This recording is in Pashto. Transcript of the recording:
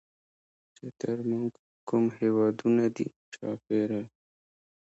چې تر مونږ کوم هېوادونه دي چاپېره